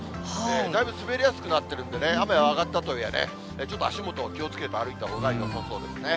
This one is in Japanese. だいぶ滑りやすくなってるんでね、雨は上がったとはいえね、ちょっと足元、気をつけて歩いたほうがよさそうですね。